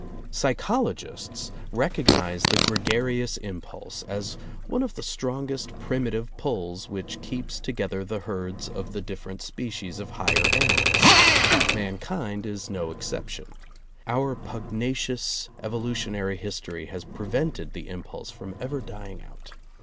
Psychologists recognize the gregarious impulse as one of the strongest primitive pulls which keeps together the herds of the different species of higher animals. Mankind is no exception. Our pug nacious evolutionary history has prevented the im pulse from ever dying out.